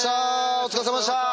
お疲れさまでした！